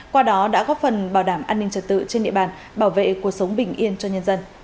qua đó đã góp phần bảo đảm an ninh trật tự trên địa bàn bảo vệ cuộc sống bình yên cho nhân dân